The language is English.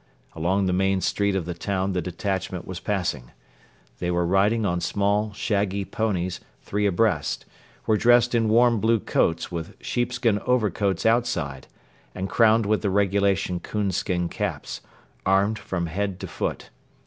Along the main street of the town the detachment was passing. They were riding on small, shaggy ponies, three abreast; were dressed in warm blue coats with sheepskin overcoats outside and crowned with the regulation coonskin caps; armed from head to foot.